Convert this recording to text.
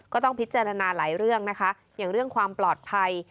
ก็ต้องพิจารณาหลายเรื่องนะคะอย่างเรื่องความปลอดภัย